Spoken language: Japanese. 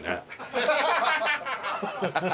ハハハハ！